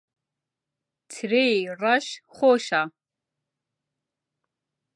ترێی ڕەش خۆشە.